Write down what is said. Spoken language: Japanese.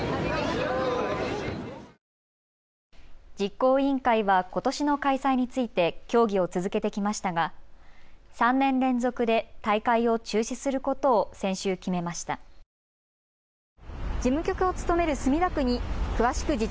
実行委員会は、ことしの開催について協議を続けてきましたが３年連続で大会を中止することを先週、決めました。